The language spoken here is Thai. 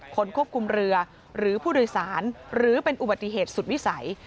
คนควบคุมเรือหรือผู้โดยสารหรือเป็นอุบัติเหตุสุดวิสัย